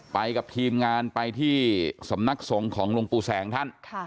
ไปกับทีมงานไปที่สำนักหลงปู่แสงท่าน